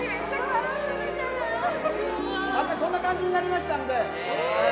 こんな感じになりましたんで。